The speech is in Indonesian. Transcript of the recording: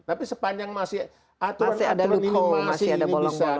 tapi sepanjang masih aturan aturan ini masih ini bisa